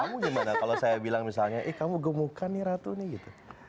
kamu gimana kalau saya bilang misalnya eh kamu gemukan nih ratu nih gitu